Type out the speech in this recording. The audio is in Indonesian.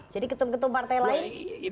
ketum ketum partai lain